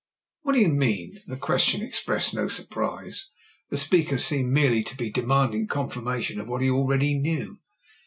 "What do you mean?" The question expressed no surprise ; the speaker seemed merely to be Remand ing confirmation of what he already knew.